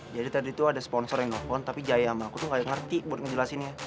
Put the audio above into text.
jadi tadi tuh ada sponsor yang ngepon tapi jaya sama aku tuh gak ngerti buat ngejelasinnya